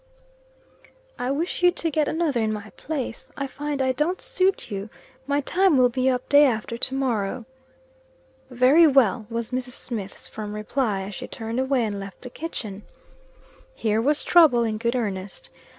"I wish you to get another in my place. I find I don't suit you. My time will be up day after to morrow." "Very well," was Mrs. Smith's firm reply, as she turned away, and left the kitchen. Here was trouble in good earnest.